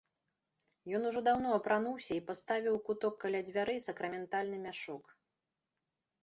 Ён ужо даўно апрануўся і паставіў у куток каля дзвярэй сакраментальны мяшок.